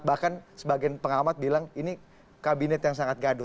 bahkan sebagian pengamat bilang ini kabinet yang sangat gaduh